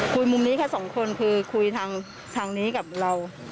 มุมนี้แค่สองคนคือคุยทางนี้กับเรา